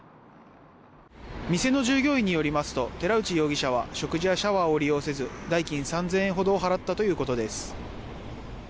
店の従業員によりますと寺内容疑者は食事やシャワーを利用せず代金３０００円ほどを払ったということです。